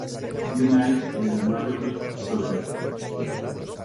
United de la Major League Soccer.